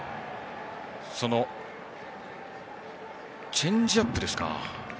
チェンジアップですか。